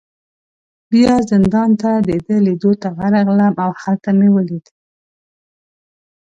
بیا زندان ته د ده لیدو ته ورغلم، او هلته مې ولید.